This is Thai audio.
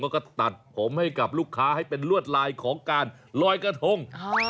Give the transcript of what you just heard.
แล้วก็ตัดผมให้กับลูกค้าให้เป็นลวดลายของการลอยกระทง